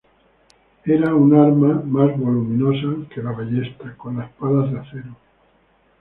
Era un arma más voluminosa que la ballesta, con las palas de acero.